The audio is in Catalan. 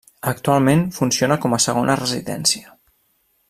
Actualment funciona com a segona residència.